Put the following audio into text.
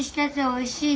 ・おいしい？